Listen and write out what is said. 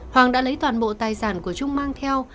hoàng đã lấy toàn bộ tài sản của trung mang theo